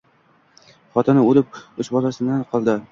Xotini o‘lib, uch bolaminan koldi